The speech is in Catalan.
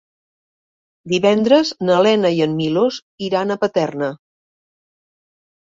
Divendres na Lena i en Milos iran a Paterna.